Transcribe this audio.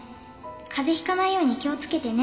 「かぜひかないように気をつけてね。